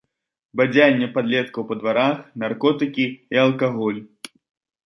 Бадзянне падлеткаў па дварах, наркотыкі і алкаголь.